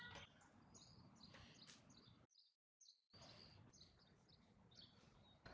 พี่ศักดิ์